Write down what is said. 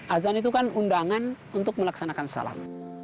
azan itu kan undangan untuk melaksanakan salam